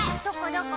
どこ？